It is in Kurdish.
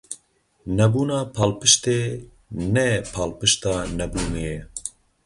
Nebûna palpiştê, ne palpişta nebûnê ye.